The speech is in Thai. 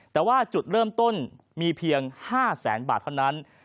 แต่ว่าจุดเริ่มต้นมีเพียง๕แสนบาทเท่านั้น